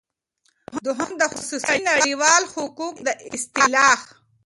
دوهم د خصوصی نړیوال حقوق دا اصطلاح